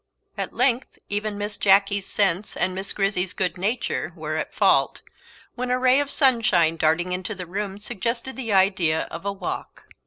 At length even Miss Jacky's sense and Miss Grizzy's good nature were at fault; when a ray of sunshine darting into the room suggested the idea of a walk.